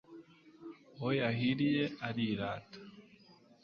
uwo yahiriye arirata